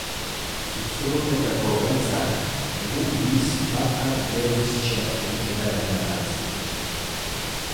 Giltzurrunetako gaitzak, egun biz bat dialisia egitera eramanarazi dute.